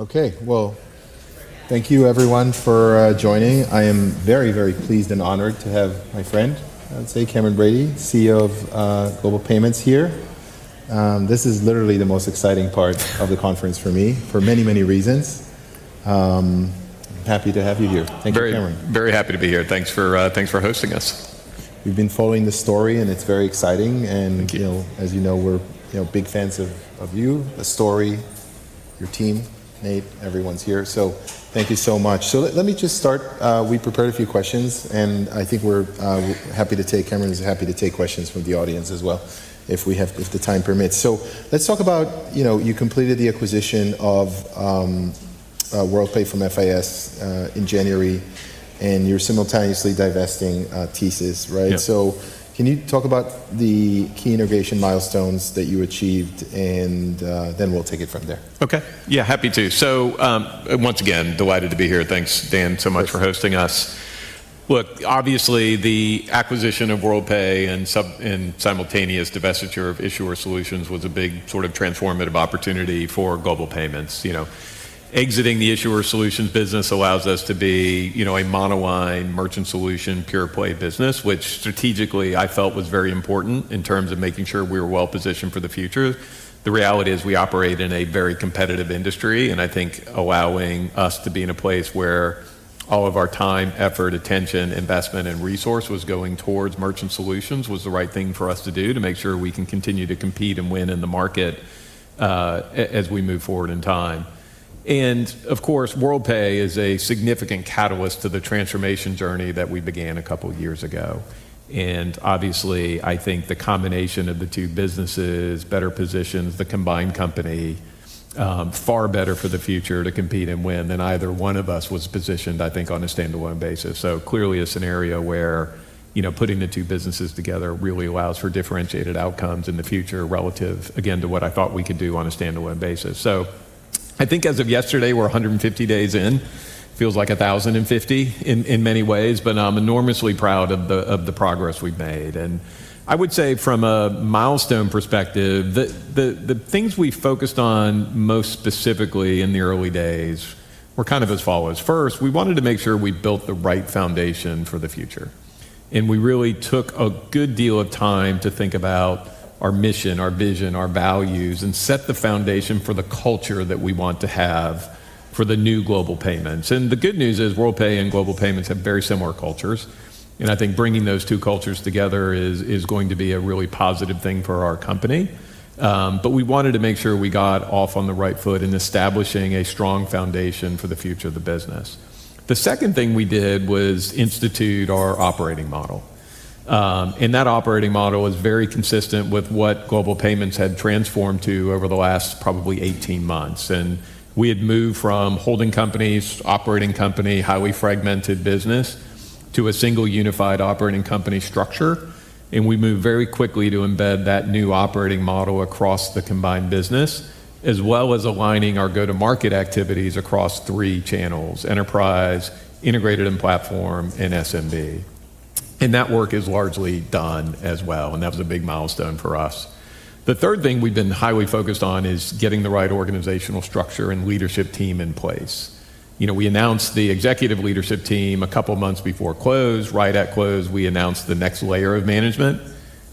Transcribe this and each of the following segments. Okay. Well, thank you everyone for joining. I am very, very pleased and honored to have my friend, I'd say, Cameron Bready, CEO of Global Payments, here. This is literally the most exciting part of the conference for me for many, many reasons. Happy to have you here. Thank you, Cameron. Very happy to be here. Thanks for hosting us. We've been following the story, it's very exciting. Thank you. As you know, we're big fans of you, the story, your team, Nate, everyone's here. Thank you so much. Let me just start. We prepared a few questions, and I think Cameron's happy to take questions from the audience as well if the time permits. Let's talk about you completed the acquisition of Worldpay from FIS in January, and you're simultaneously divesting TSYS, right? Yeah. Can you talk about the key innovation milestones that you achieved, and then we'll take it from there. Happy to. Once again, delighted to be here. Thanks, Dan, so much for hosting us. Obviously, the acquisition of Worldpay and simultaneous divestiture of Issuer Solutions was a big sort of transformative opportunity for Global Payments. Exiting the Issuer Solutions business allows us to be a monoline Merchant Solution, pure-play business, which strategically I felt was very important in terms of making sure we were well-positioned for the future. The reality is we operate in a very competitive industry, and I think allowing us to be in a place where all of our time, effort, attention, investment, and resource was going towards Merchant Solutions was the right thing for us to do to make sure we can continue to compete and win in the market as we move forward in time. Of course, Worldpay is a significant catalyst to the transformation journey that we began a couple of years ago. Obviously, I think the combination of the two businesses better positions the combined company far better for the future to compete and win than either one of us was positioned, I think, on a standalone basis. Clearly a scenario where putting the two businesses together really allows for differentiated outcomes in the future relative, again, to what I thought we could do on a standalone basis. I think as of yesterday, we're 150 days in. Feels like 1,050 in many ways, but I'm enormously proud of the progress we've made. I would say from a milestone perspective, the things we focused on most specifically in the early days were kind of as follows. First, we wanted to make sure we built the right foundation for the future, we really took a good deal of time to think about our mission, our vision, our values, and set the foundation for the culture that we want to have for the new Global Payments. The good news is Worldpay and Global Payments have very similar cultures, I think bringing those two cultures together is going to be a really positive thing for our company. We wanted to make sure we got off on the right foot in establishing a strong foundation for the future of the business. The second thing we did was institute our operating model. That operating model is very consistent with what Global Payments had transformed to over the last probably 18 months. We had moved from holding companies, operating company, highly fragmented business, to a single unified operating company structure. We moved very quickly to embed that new operating model across the combined business, as well as aligning our go-to-market activities across three channels: enterprise, integrated and platform, and SMB. That work is largely done as well, that was a big milestone for us. The third thing we've been highly focused on is getting the right organizational structure and leadership team in place. We announced the executive leadership team a couple of months before close. Right at close, we announced the next layer of management,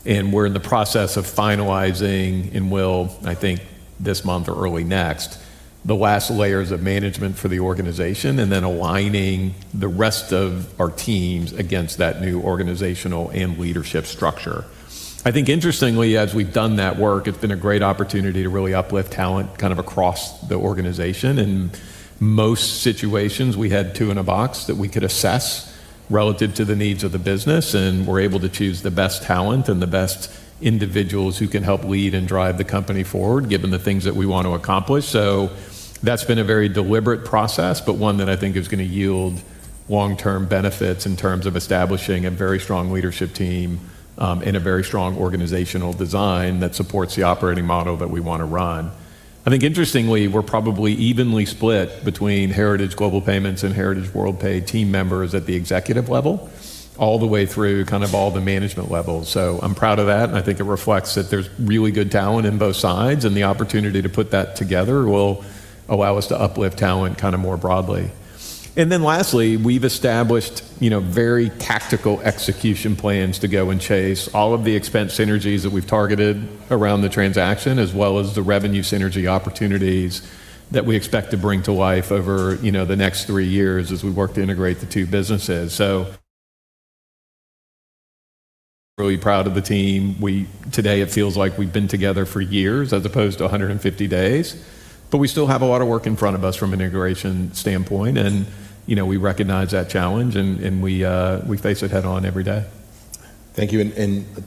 we're in the process of finalizing and will, I think this month or early next, the last layers of management for the organization, then aligning the rest of our teams against that new organizational and leadership structure. I think interestingly, as we've done that work, it's been a great opportunity to really uplift talent across the organization. In most situations, we had two in a box that we could assess relative to the needs of the business, we're able to choose the best talent and the best individuals who can help lead and drive the company forward, given the things that we want to accomplish. That's been a very deliberate process, one that I think is going to yield long-term benefits in terms of establishing a very strong leadership team, a very strong organizational design that supports the operating model that we want to run. I think interestingly, we're probably evenly split between heritage Global Payments and heritage Worldpay team members at the executive level all the way through all the management levels. I'm proud of that, I think it reflects that there's really good talent in both sides, the opportunity to put that together will allow us to uplift talent more broadly. Then lastly, we've established very tactical execution plans to go and chase all of the expense synergies that we've targeted around the transaction, as well as the revenue synergy opportunities that we expect to bring to life over the next three years as we work to integrate the two businesses. Really proud of the team. Today it feels like we've been together for years as opposed to 150 days, we still have a lot of work in front of us from an integration standpoint, we recognize that challenge, we face it head on every day. Thank you.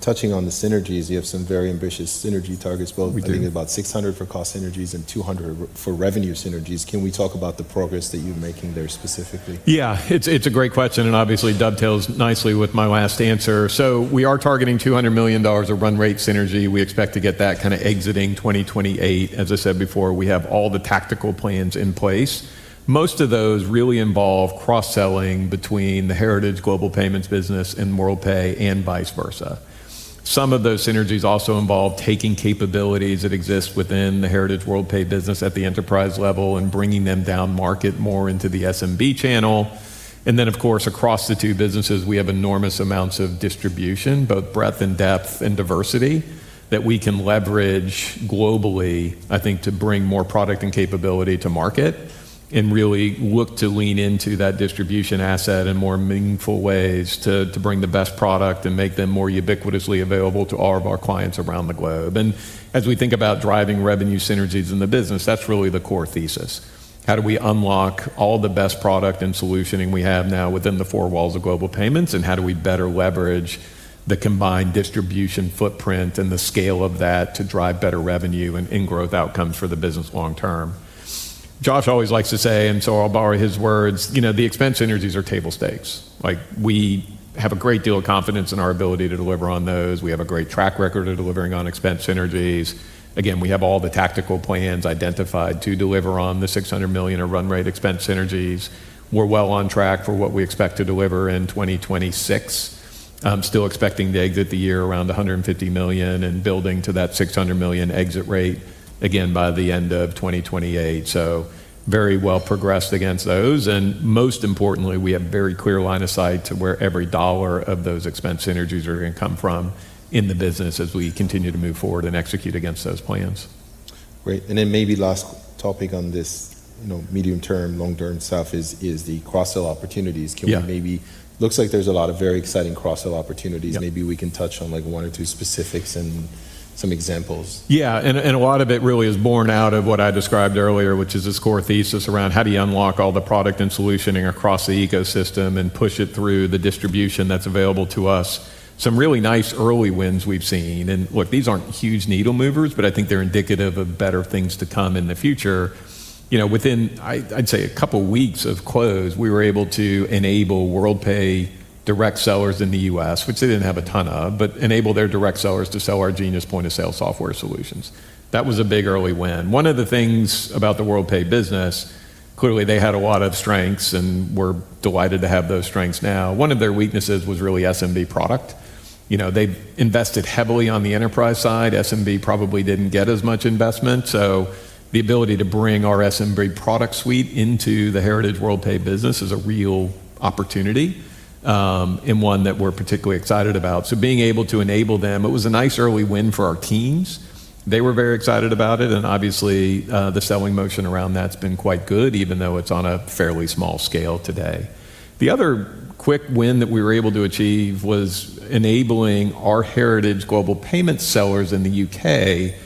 Touching on the synergies, you have some very ambitious synergy targets built. We do. I think about 600 for cost synergies and 200 for revenue synergies. Can we talk about the progress that you're making there specifically? Yeah. It's a great question, and obviously dovetails nicely with my last answer. We are targeting $200 million of run rate synergy. We expect to get that exiting 2028. As I said before, we have all the tactical plans in place. Most of those really involve cross-selling between the heritage Global Payments business and Worldpay and vice versa. Some of those synergies also involve taking capabilities that exist within the heritage Worldpay business at the enterprise level and bringing them down market more into the SMB channel. Of course, across the two businesses, we have enormous amounts of distribution, both breadth and depth, and diversity that we can leverage globally, I think, to bring more product and capability to market. Really look to lean into that distribution asset in more meaningful ways to bring the best product and make them more ubiquitously available to all of our clients around the globe. As we think about driving revenue synergies in the business, that's really the core thesis. How do we unlock all the best product and solutioning we have now within the four walls of Global Payments, and how do we better leverage the combined distribution footprint and the scale of that to drive better revenue and in-growth outcomes for the business long term? Josh always likes to say, I'll borrow his words, the expense synergies are table stakes. We have a great deal of confidence in our ability to deliver on those. We have a great track record of delivering on expense synergies. Again, we have all the tactical plans identified to deliver on the $600 million of run rate expense synergies. We're well on track for what we expect to deliver in 2026. I'm still expecting to exit the year around $150 million and building to that $600 million exit rate, again, by the end of 2028. Very well progressed against those. Most importantly, we have very clear line of sight to where every dollar of those expense synergies are going to come from in the business as we continue to move forward and execute against those plans. Great. Maybe last topic on this medium-term, long-term stuff is the cross-sell opportunities. Yeah. Looks like there's a lot of very exciting cross-sell opportunities. Yeah. Maybe we can touch on one or two specifics and some examples. Yeah. A lot of it really is born out of what I described earlier, which is this core thesis around how do you unlock all the product and solutioning across the ecosystem and push it through the distribution that's available to us. Some really nice early wins we've seen. Look, these aren't huge needle movers, but I think they're indicative of better things to come in the future. Within, I'd say, a couple weeks of close, we were able to enable Worldpay direct sellers in the U.S., which they didn't have a ton of, but enable their direct sellers to sell our Genius point of sale software solutions. That was a big early win. One of the things about the Worldpay business, clearly they had a lot of strengths, and we're delighted to have those strengths now. One of their weaknesses was really SMB product. They invested heavily on the enterprise side. SMB probably didn't get as much investment. The ability to bring our SMB product suite into the heritage Worldpay business is a real opportunity, and one that we're particularly excited about. Being able to enable them, it was a nice early win for our teams. They were very excited about it, and obviously, the selling motion around that's been quite good, even though it's on a fairly small scale today. The other quick win that we were able to achieve was enabling our heritage Global Payments sellers in the U.K.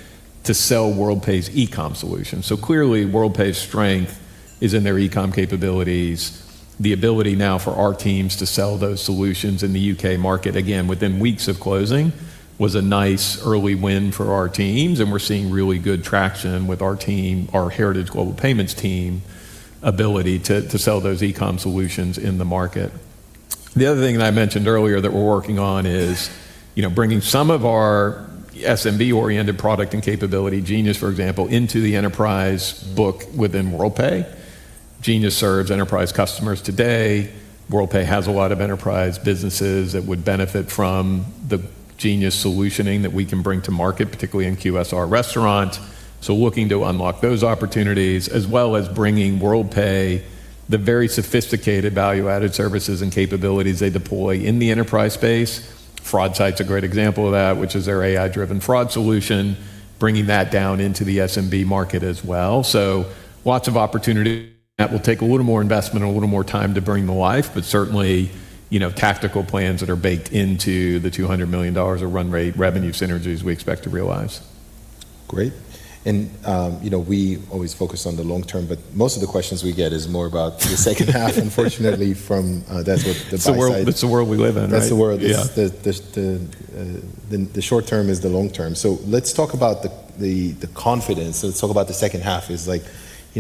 to sell Worldpay's eCom solution. Clearly, Worldpay's strength is in their eCom capabilities. The ability now for our teams to sell those solutions in the U.K. market, again, within weeks of closing, was a nice early win for our teams, and we're seeing really good traction with our Heritage Global Payments team ability to sell those eCom solutions in the market. The other thing that I mentioned earlier that we're working on is bringing some of our SMB-oriented product and capability Genius, for example, into the enterprise book within Worldpay. Genius serves enterprise customers today. Worldpay has a lot of enterprise businesses that would benefit from the Genius solutioning that we can bring to market, particularly in QSR restaurant. Looking to unlock those opportunities, as well as bringing Worldpay the very sophisticated value-added services and capabilities they deploy in the enterprise space. FraudSight's a great example of that, which is their AI-driven fraud solution, bringing that down into the SMB market as well. Lots of opportunity. That will take a little more investment and a little more time to bring to life, but certainly, tactical plans that are baked into the $200 million of run rate revenue synergies we expect to realize. Great. We always focus on the long term, most of the questions we get is more about the second half, unfortunately, from that's what the buy side. That's the world we live in, right? That's the world. Yeah. The short term is the long term. Let's talk about the confidence. Let's talk about the second half is like,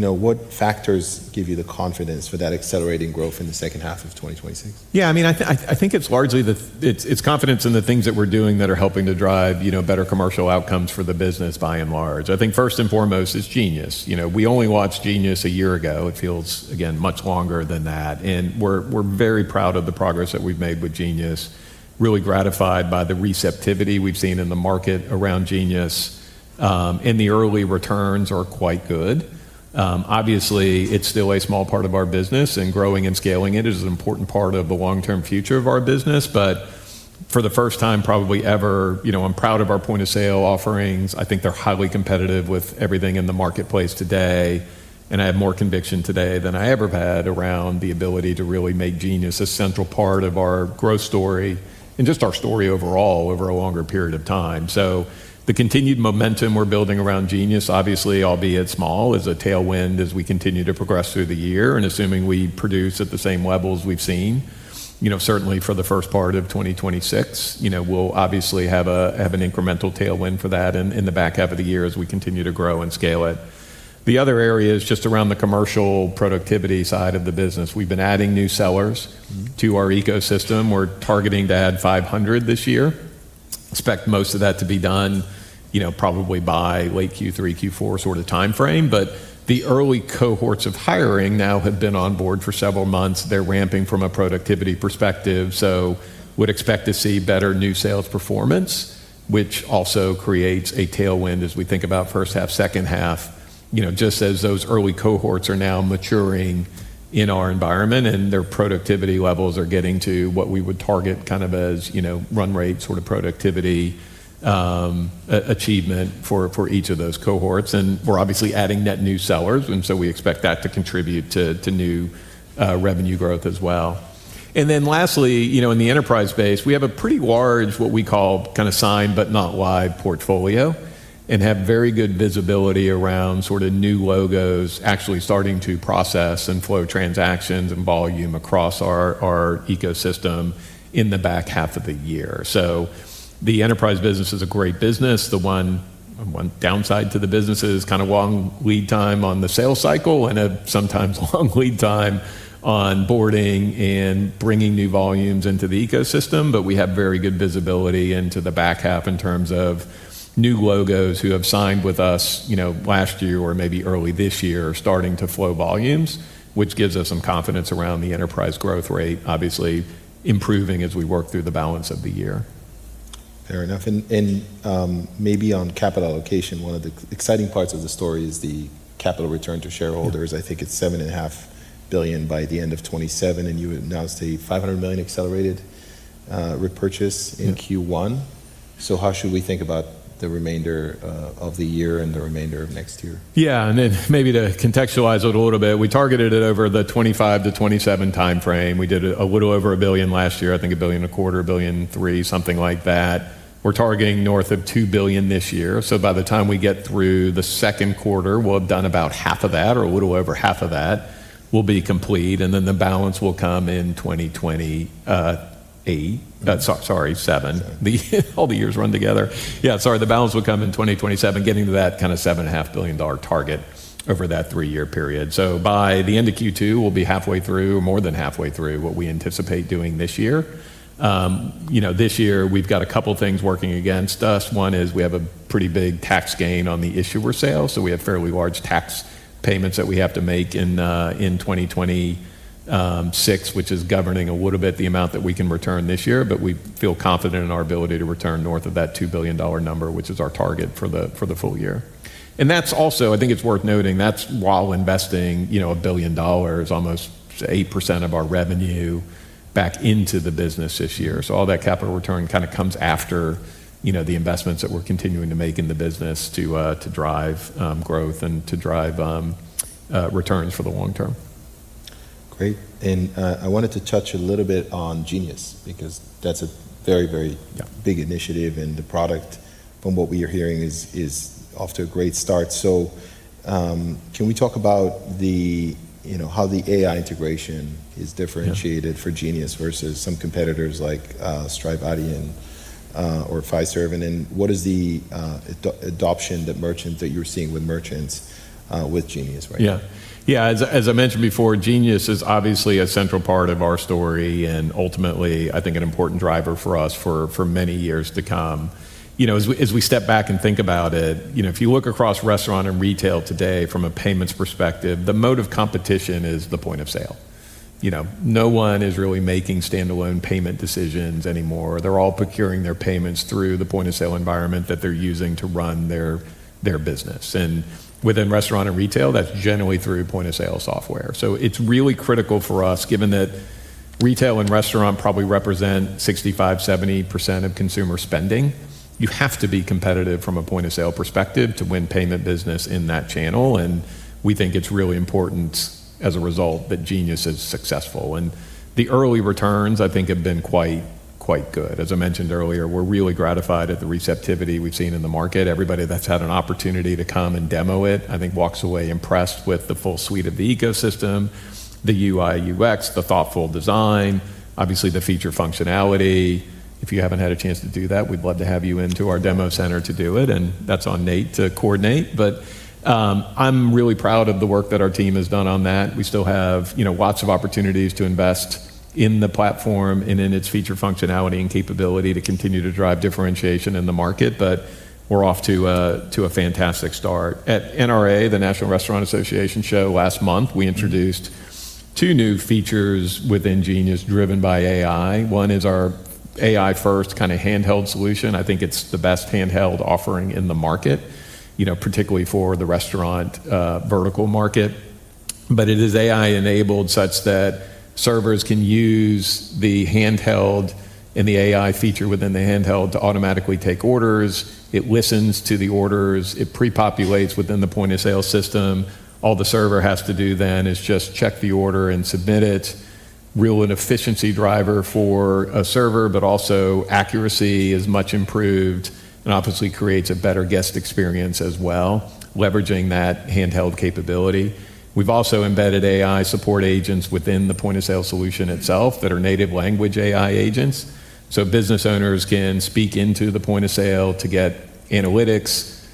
what factors give you the confidence for that accelerating growth in the second half of 2026? Yeah, I think it's confidence in the things that we're doing that are helping to drive better commercial outcomes for the business by and large. I think first and foremost is Genius. We only launched Genius a year ago. It feels, again, much longer than that, and we're very proud of the progress that we've made with Genius, really gratified by the receptivity we've seen in the market around Genius. The early returns are quite good. Obviously, it's still a small part of our business, and growing and scaling it is an important part of the long-term future of our business. For the first time probably ever, I'm proud of our point of sale offerings. I think they're highly competitive with everything in the marketplace today, and I have more conviction today than I ever have had around the ability to really make Genius a central part of our growth story and just our story overall over a longer period of time. The continued momentum we're building around Genius, obviously, albeit small, is a tailwind as we continue to progress through the year. Assuming we produce at the same levels we've seen, certainly for the first part of 2026, we'll obviously have an incremental tailwind for that in the back half of the year as we continue to grow and scale it. The other area is just around the commercial productivity side of the business. We've been adding new sellers to our ecosystem, we're targeting to add 500 this year. Expect most of that to be done probably by late Q3, Q4 sort of timeframe. The early cohorts of hiring now have been on board for several months. They're ramping from a productivity perspective, would expect to see better new sales performance, which also creates a tailwind as we think about first half, second half, just as those early cohorts are now maturing in our environment, and their productivity levels are getting to what we would target as run rate sort of productivity achievement for each of those cohorts. We're obviously adding net new sellers, we expect that to contribute to new revenue growth as well. Lastly, in the enterprise space, we have a pretty large, what we call kind of signed but not live portfolio, and have very good visibility around sort of new logos actually starting to process and flow transactions and volume across our ecosystem in the back half of the year. The enterprise business is a great business. The one downside to the business is kind of long lead time on the sales cycle and a sometimes long lead time on boarding and bringing new volumes into the ecosystem. We have very good visibility into the back half in terms of new logos who have signed with us last year or maybe early this year, starting to flow volumes, which gives us some confidence around the enterprise growth rate obviously improving as we work through the balance of the year. Fair enough. Maybe on capital allocation, one of the exciting parts of the story is the capital return to shareholders. I think it's seven and a half billion by the end of 2027. You announced a $500 million accelerated repurchase in Q1. Yeah. How should we think about the remainder of the year and the remainder of next year? Yeah. Maybe to contextualize it a little bit, we targeted it over the 2025 to 2027 timeframe. We did a little over $1 billion last year, I think a billion and a quarter, $1.3 billion, something like that. We're targeting north of $2 billion this year. By the time we get through the second quarter, we'll have done about half of that, or a little over half of that will be complete. The balance will come in 2028. Sorry, 2027. 2027. All the years run together. Yeah, sorry. The balance will come in 2027, getting to that kind of $7.5 billion target over that three-year period. By the end of Q2, we'll be halfway through, more than halfway through what we anticipate doing this year. This year we've got a couple things working against us. One is we have a pretty big tax gain on the issuer sale, so we have fairly large tax payments that we have to make in 2026, which is governing a little bit the amount that we can return this year. We feel confident in our ability to return north of that $2 billion number, which is our target for the full year. That's also, I think it's worth noting, that's while investing $1 billion, almost 8% of our revenue back into the business this year. All that capital return kind of comes after the investments that we're continuing to make in the business to drive growth and to drive returns for the long term. Great. I wanted to touch a little bit on Genius, because that's a very- Yeah. ...big initiative, and the product, from what we are hearing, is off to a great start. Can we talk about how the AI integration is differentiated- Yeah. ...for Genius versus some competitors like Stripe, Adyen, or Fiserv. What is the adoption that you're seeing with merchants with Genius right now? Yeah. As I mentioned before, Genius is obviously a central part of our story and ultimately, I think, an important driver for us for many years to come. As we step back and think about it, if you look across restaurant and retail today from a payments perspective, the mode of competition is the point-of-sale. No one is really making standalone payment decisions anymore. They're all procuring their payments through the point-of-sale environment that they're using to run their business. Within restaurant and retail, that's generally through point-of-sale software. It's really critical for us, given that retail and restaurant probably represent 65%-70% of consumer spending. You have to be competitive from a point-of-sale perspective to win payment business in that channel, we think it's really important as a result that Genius is successful. The early returns, I think, have been quite good. As I mentioned earlier, we're really gratified at the receptivity we've seen in the market. Everybody that's had an opportunity to come and demo it, I think, walks away impressed with the full suite of the ecosystem, the UI, UX, the thoughtful design, obviously the feature functionality. If you haven't had a chance to do that, we'd love to have you into our demo center to do it. That's on Nate to coordinate. I'm really proud of the work that our team has done on that. We still have lots of opportunities to invest in the platform and in its feature functionality and capability to continue to drive differentiation in the market. We're off to a fantastic start. At NRA, the National Restaurant Association show last month, we introduced two new features within Genius driven by AI. One is our AI-first kind of handheld solution. I think it's the best handheld offering in the market, particularly for the restaurant vertical market. It is AI-enabled such that servers can use the handheld and the AI feature within the handheld to automatically take orders. It listens to the orders. It prepopulates within the point-of-sale system. All the server has to do then is just check the order and submit it. Really an efficiency driver for a server, also accuracy is much improved and obviously creates a better guest experience as well, leveraging that handheld capability. We've also embedded AI support agents within the point-of-sale solution itself that are native language AI agents. Business owners can speak into the point-of-sale to get analytics,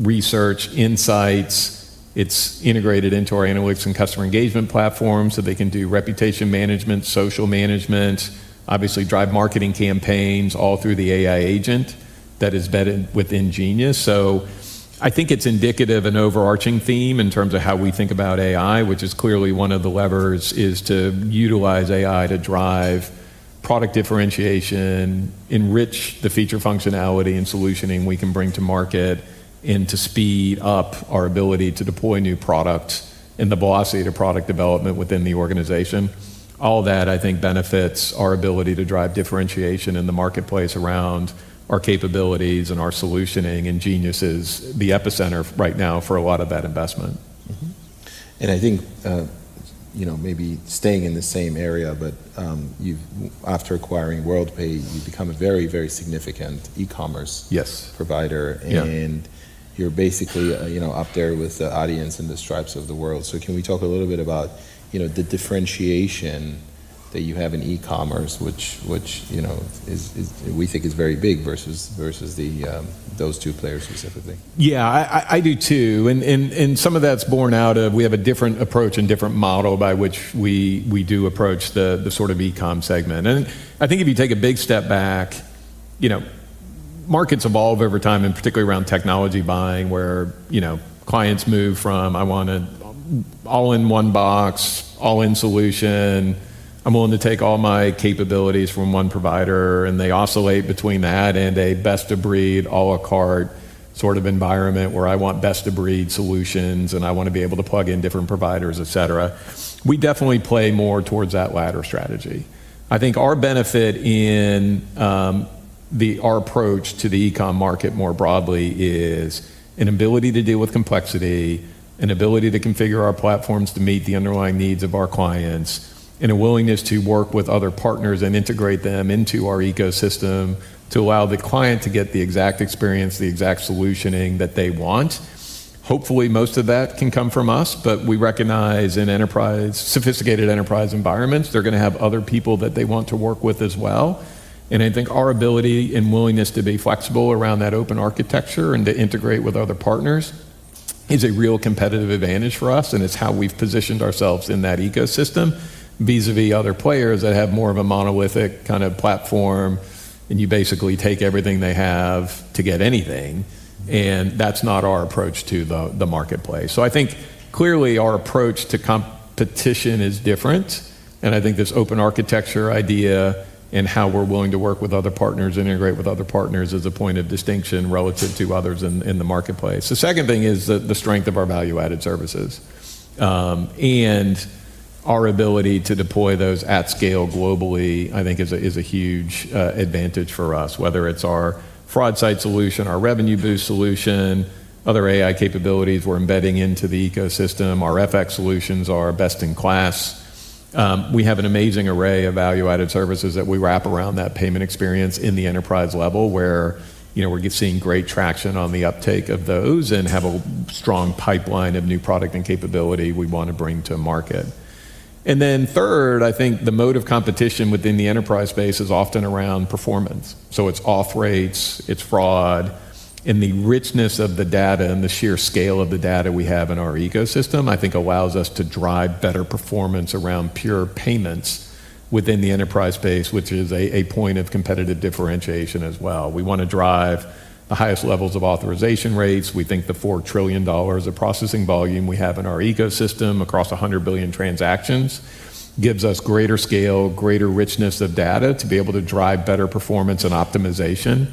research, insights. It's integrated into our analytics and customer engagement platform so they can do reputation management, social management, obviously drive marketing campaigns all through the AI agent that is embedded within Genius. I think it's indicative, an overarching theme in terms of how we think about AI, which is clearly one of the levers, is to utilize AI to drive product differentiation, enrich the feature functionality and solutioning we can bring to market, and to speed up our ability to deploy new product and the velocity to product development within the organization. All that I think benefits our ability to drive differentiation in the marketplace around our capabilities and our solutioning, and Genius is the epicenter right now for a lot of that investment. I think, maybe staying in the same area, but after acquiring Worldpay, you've become a very, very significant e-commerce- Yes. ...provider. Yeah. You're basically up there with the Adyen and the Stripe of the world. Can we talk a little bit about the differentiation that you have in e-commerce, which we think is very big versus those two players specifically? Yeah, I do too. Some of that's borne out of, we have a different approach and different model by which we do approach the eCom segment. I think if you take a big step back, markets evolve over time, and particularly around technology buying, where clients move from, "I want it all in one box, all-in solution. I'm willing to take all my capabilities from one provider." They oscillate between that and a best-of-breed, a la carte sort of environment where I want best-of-breed solutions, and I want to be able to plug in different providers, et cetera. We definitely play more towards that latter strategy. I think our benefit in our approach to the eCom market more broadly is an ability to deal with complexity, an ability to configure our platforms to meet the underlying needs of our clients, and a willingness to work with other partners and integrate them into our ecosystem to allow the client to get the exact experience, the exact solutioning that they want. Hopefully, most of that can come from us, but we recognize in sophisticated enterprise environments, they're going to have other people that they want to work with as well. I think our ability and willingness to be flexible around that open architecture and to integrate with other partners is a real competitive advantage for us, and it's how we've positioned ourselves in that ecosystem vis-a-vis other players that have more of a monolithic platform, and you basically take everything they have to get anything. That's not our approach to the marketplace. I think clearly our approach to competition is different, and I think this open architecture idea and how we're willing to work with other partners, integrate with other partners, is a point of distinction relative to others in the marketplace. The second thing is the strength of our value-added services. Our ability to deploy those at scale globally, I think is a huge advantage for us, whether it's our FraudSight solution, our Revenue Boost solution, other AI capabilities we're embedding into the ecosystem. Our FX Solutions are best in class. We have an amazing array of value-added services that we wrap around that payment experience in the enterprise level, where we're seeing great traction on the uptake of those and have a strong pipeline of new product and capability we want to bring to market. Third, I think the mode of competition within the enterprise space is often around performance. It's auth rates, it's fraud, and the richness of the data and the sheer scale of the data we have in our ecosystem, I think allows us to drive better performance around pure payments within the enterprise space, which is a point of competitive differentiation as well. We want to drive the highest levels of authorization rates. We think the $4 trillion of processing volume we have in our ecosystem across 100 billion transactions gives us greater scale, greater richness of data to be able to drive better performance and optimization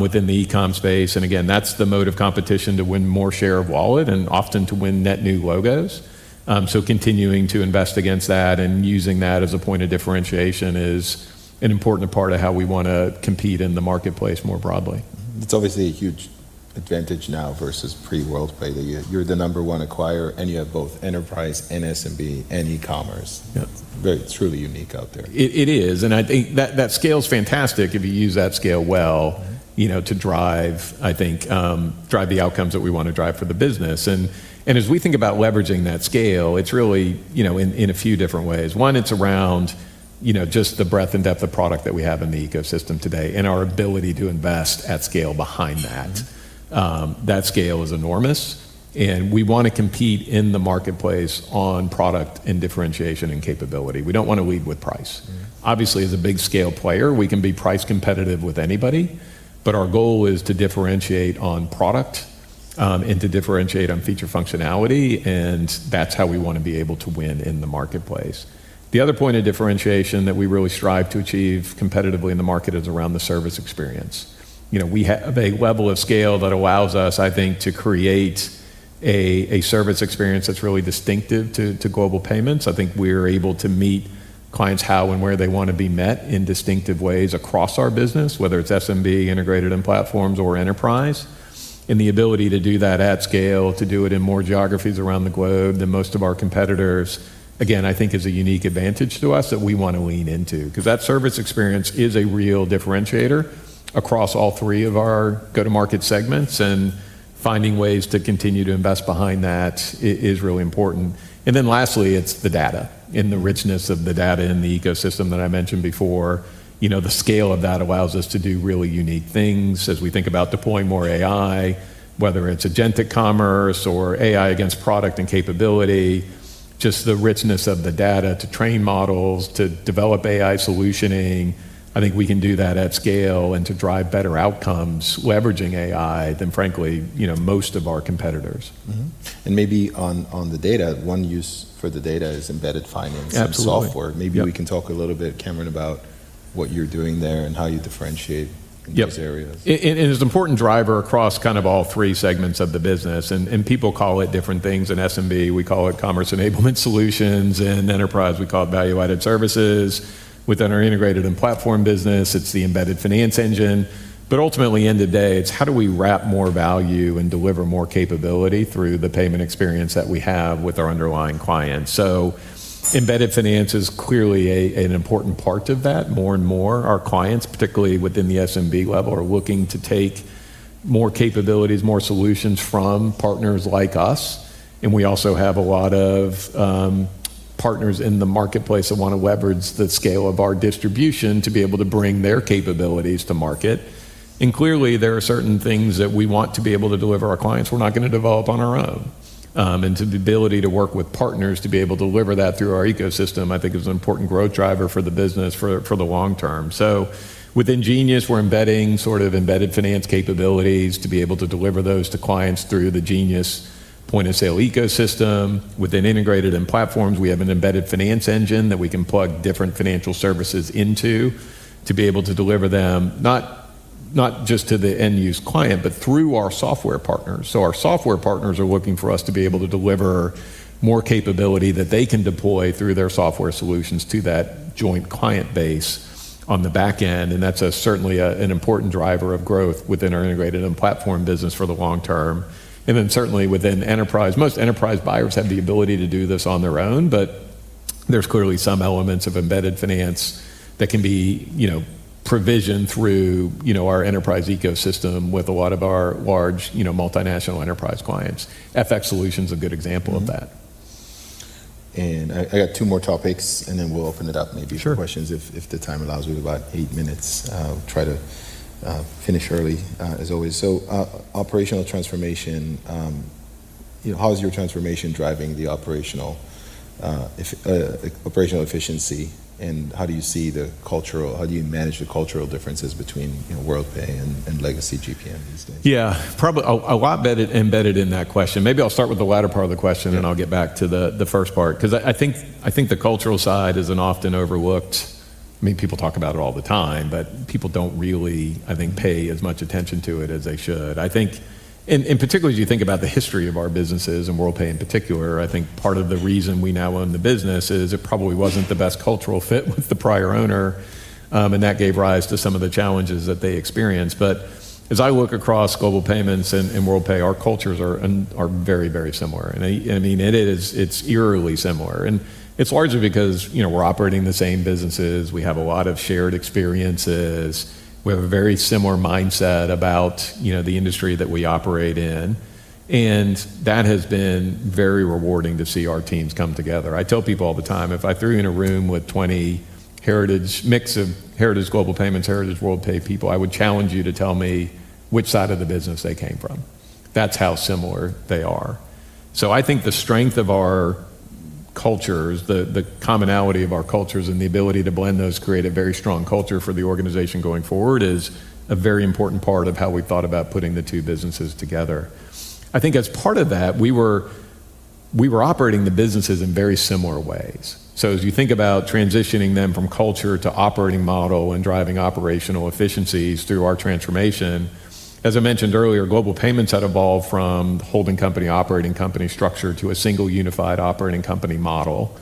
within the eCom space. Again, that's the mode of competition to win more share of wallet and often to win net new logos. Continuing to invest against that and using that as a point of differentiation is an important part of how we want to compete in the marketplace more broadly. It's obviously a huge advantage now versus pre-Worldpay, that you're the number one acquirer, and you have both enterprise and SMB and e-commerce. Yeah. Very truly unique out there. It is. I think that scale's fantastic if you use that scale well to drive the outcomes that we want to drive for the business. As we think about leveraging that scale, it's really in a few different ways. One, it's around just the breadth and depth of product that we have in the ecosystem today and our ability to invest at scale behind that. That scale is enormous. We want to compete in the marketplace on product and differentiation and capability. We don't want to lead with price. Obviously, as a big scale player, we can be price competitive with anybody, but our goal is to differentiate on product, to differentiate on feature functionality, and that's how we want to be able to win in the marketplace. The other point of differentiation that we really strive to achieve competitively in the market is around the service experience. We have a level of scale that allows us, I think, to create a service experience that's really distinctive to Global Payments. I think we are able to meet clients how and where they want to be met in distinctive ways across our business, whether it's SMB integrated in platforms or enterprise. The ability to do that at scale, to do it in more geographies around the globe than most of our competitors, again, I think is a unique advantage to us that we want to lean into. That service experience is a real differentiator across all three of our go-to-market segments, finding ways to continue to invest behind that is really important. Lastly, it's the data, the richness of the data in the ecosystem that I mentioned before. The scale of that allows us to do really unique things as we think about deploying more AI, whether it's agentic commerce or AI against product and capability. Just the richness of the data to train models, to develop AI solutioning. I think we can do that at scale and to drive better outcomes leveraging AI than frankly, most of our competitors. Maybe on the data, one use for the data is embedded finance- Absolutely ...software. Yep. Maybe we can talk a little bit, Cameron, about what you're doing there and how you differentiate. Yep. In those areas. It's an important driver across all three segments of the business, and people call it different things. In SMB, we call it commerce enablement solutions. In enterprise, we call it value-added services. Within our integrated and platform business, it's the embedded finance engine. Ultimately, end of day, it's how do we wrap more value and deliver more capability through the payment experience that we have with our underlying clients? Embedded finance is clearly an important part of that. More and more our clients, particularly within the SMB level, are looking to take more capabilities, more solutions from partners like us, and we also have a lot of partners in the marketplace that want to leverage the scale of our distribution to be able to bring their capabilities to market. Clearly, there are certain things that we want to be able to deliver our clients we're not going to develop on our own. The ability to work with partners to be able to deliver that through our ecosystem, I think is an important growth driver for the business for the long term. Within Genius, we're embedding sort of embedded finance capabilities to be able to deliver those to clients through the Genius point-of-sale ecosystem. Within integrated and platforms, we have an embedded finance engine that we can plug different financial services into to be able to deliver them not just to the end-use client, but through our software partners. Our software partners are looking for us to be able to deliver more capability that they can deploy through their software solutions to that joint client base on the back end, and that's certainly an important driver of growth within our integrated and platform business for the long term. Certainly within enterprise, most enterprise buyers have the ability to do this on their own, but there's clearly some elements of embedded finance that can be provisioned through our enterprise ecosystem with a lot of our large multinational enterprise clients. FX Solutions is a good example of that. I got two more topics, and then we'll open it up maybe- Sure. ...for questions if the time allows. We have about eight minutes. Try to finish early as always. Operational transformation, how is your transformation driving the operational efficiency, and how do you see the cultural, how do you manage the cultural differences between Worldpay and legacy GPN these days? Yeah. Probably a lot embedded in that question. Maybe I'll start with the latter part of the question. Sure. I'll get back to the first part because I think the cultural side is an often overlooked, I mean, people talk about it all the time, but people don't really, I think, pay as much attention to it as they should. I think, particularly as you think about the history of our businesses, and Worldpay in particular, I think part of the reason we now own the business is it probably wasn't the best cultural fit with the prior owner, and that gave rise to some of the challenges that they experienced. As I look across Global Payments and Worldpay, our cultures are very similar. It's eerily similar. It's largely because we're operating the same businesses, we have a lot of shared experiences, we have a very similar mindset about the industry that we operate in, and that has been very rewarding to see our teams come together. I tell people all the time, "If I threw you in a room with 20 mix of Heritage Global Payments, Heritage Worldpay people, I would challenge you to tell me which side of the business they came from." That's how similar they are. I think the strength of our cultures, the commonality of our cultures, and the ability to blend those, create a very strong culture for the organization going forward is a very important part of how we thought about putting the two businesses together. I think as part of that, we were operating the businesses in very similar ways. As you think about transitioning them from culture to operating model and driving operational efficiencies through our transformation, as I mentioned earlier, Global Payments had evolved from holding company, operating company structure to a single unified operating company model.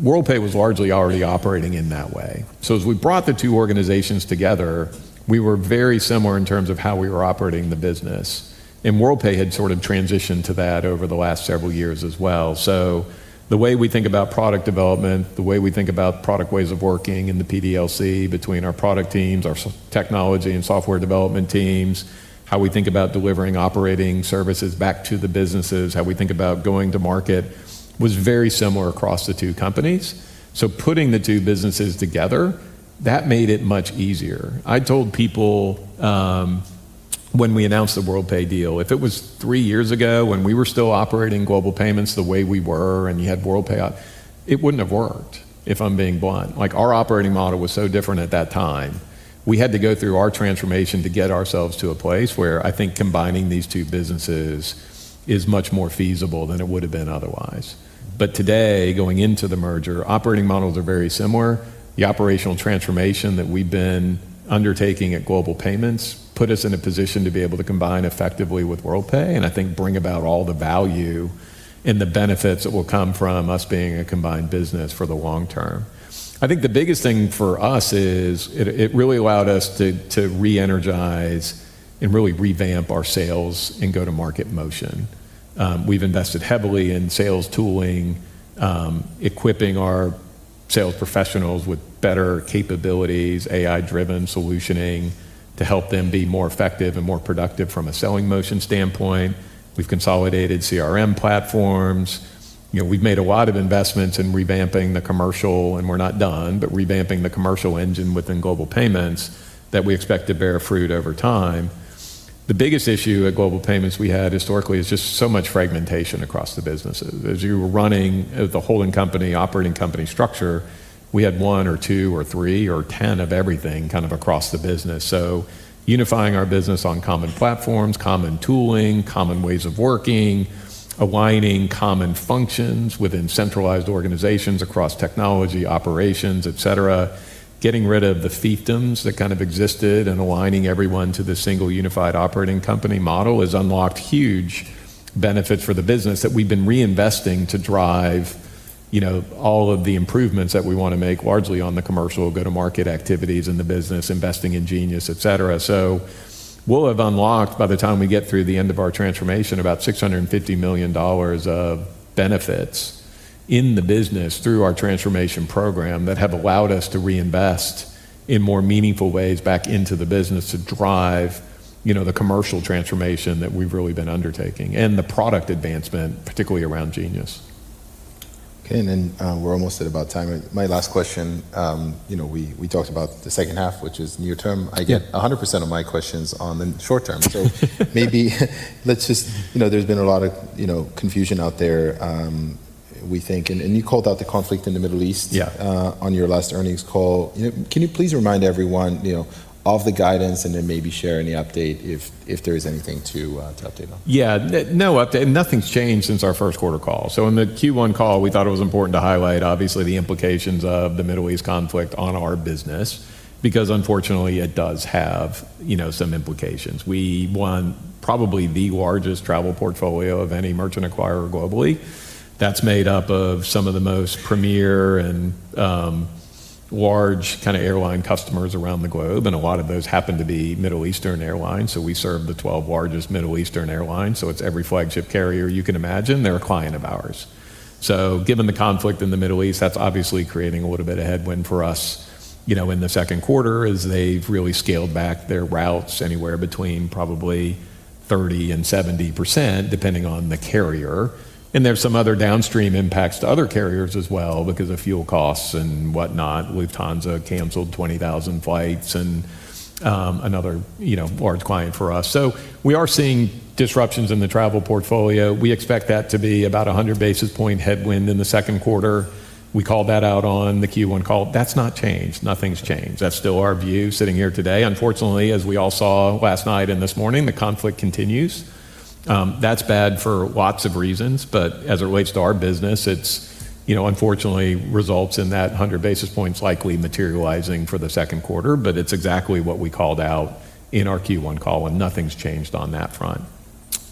Worldpay was largely already operating in that way. As we brought the two organizations together, we were very similar in terms of how we were operating the business. Worldpay had sort of transitioned to that over the last several years as well. The way we think about product development, the way we think about product ways of working in the PDLC between our product teams, our technology and software development teams, how we think about delivering operating services back to the businesses, how we think about going to market was very similar across the two companies. Putting the two businesses together, that made it much easier. I told people when we announced the Worldpay deal, if it was three years ago when we were still operating Global Payments the way we were and you had Worldpay out, it wouldn't have worked, if I'm being blunt. Our operating model was so different at that time. We had to go through our transformation to get ourselves to a place where I think combining these two businesses is much more feasible than it would have been otherwise. Today, going into the merger, operating models are very similar. The operational transformation that we've been undertaking at Global Payments put us in a position to be able to combine effectively with Worldpay, and I think bring about all the value and the benefits that will come from us being a combined business for the long term. I think the biggest thing for us is it really allowed us to re-energize and really revamp our sales and go-to-market motion. We've invested heavily in sales tooling, equipping our sales professionals with better capabilities, AI-driven solutioning to help them be more effective and more productive from a selling motion standpoint. We've consolidated CRM platforms. We've made a lot of investments in revamping the commercial, and we're not done, but revamping the commercial engine within Global Payments that we expect to bear fruit over time. The biggest issue at Global Payments we had historically is just so much fragmentation across the businesses. As you were running the holding company, operating company structure, we had one or two or three or 10 of everything kind of across the business. Unifying our business on common platforms, common tooling, common ways of working, aligning common functions within centralized organizations across technology, operations, et cetera, getting rid of the fiefdoms that kind of existed and aligning everyone to the single unified operating company model has unlocked huge benefits for the business that we've been reinvesting to drive all of the improvements that we want to make, largely on the commercial go-to-market activities in the business, investing in Genius, et cetera. We'll have unlocked, by the time we get through the end of our transformation, about $650 million of benefits in the business through our transformation program that have allowed us to reinvest in more meaningful ways back into the business to drive the commercial transformation that we've really been undertaking, and the product advancement, particularly around Genius. Okay, we're almost at about time. My last question, we talked about the second half, which is near-term. Yeah. I get 100% of my questions on the short term. There's been a lot of confusion out there, we think, and you called out the conflict in the Middle East- Yeah. ...on your last earnings call. Can you please remind everyone of the guidance and then maybe share any update if there is anything to update on? Yeah. No update. Nothing's changed since our first quarter call. In the Q1 call, we thought it was important to highlight, obviously, the implications of the Middle East conflict on our business, because unfortunately, it does have some implications. We won probably the largest travel portfolio of any merchant acquirer globally. That's made up of some of the most premier and large airline customers around the globe, and a lot of those happen to be Middle Eastern airlines. We serve the 12 largest Middle Eastern airlines, so it's every flagship carrier you can imagine, they're a client of ours. Given the conflict in the Middle East, that's obviously creating a little bit of headwind for us in the second quarter as they've really scaled back their routes anywhere between probably 30% and 70%, depending on the carrier. There's some other downstream impacts to other carriers as well because of fuel costs and whatnot. Lufthansa canceled 20,000 flights and another large client for us. We are seeing disruptions in the travel portfolio. We expect that to be about a 100 basis point headwind in the second quarter. We called that out on the Q1 call. That's not changed. Nothing's changed. That's still our view sitting here today. Unfortunately, as we all saw last night and this morning, the conflict continues. That's bad for lots of reasons. As it relates to our business, it unfortunately results in that 100 basis points likely materializing for the second quarter. It's exactly what we called out in our Q1 call, and nothing's changed on that front.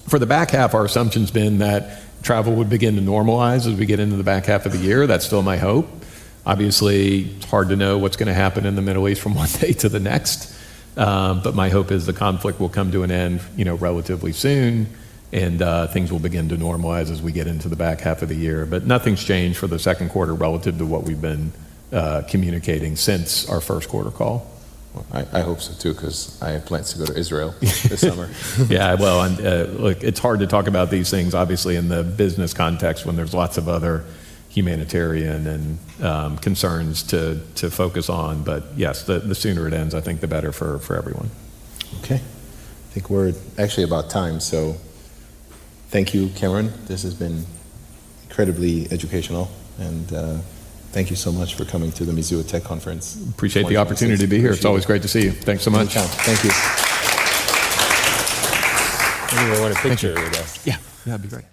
For the back half, our assumption's been that travel would begin to normalize as we get into the back half of the year. That's still my hope. Obviously, it's hard to know what's going to happen in the Middle East from one day to the next. My hope is the conflict will come to an end relatively soon and things will begin to normalize as we get into the back half of the year. Nothing's changed for the second quarter relative to what we've been communicating since our first quarter call. Well, I hope so too because I have plans to go to Israel this summer. Yeah. Well, and look, it's hard to talk about these things, obviously, in the business context when there's lots of other humanitarian and concerns to focus on. Yes, the sooner it ends, I think the better for everyone. Okay. I think we're actually about time. Thank you, Cameron. This has been incredibly educational, and thank you so much for coming to the Mizuho Tech Conference. Appreciate the opportunity to be here. Appreciate you. It's always great to see you. Thanks so much. Good job. Thank you. Maybe I want a picture with you. Yeah. Yeah, that'd be great